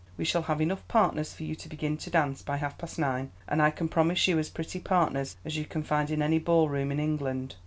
We shall have enough partners for you to begin to dance by half past nine, and I can promise you as pretty partners as you can find in any ball room in England.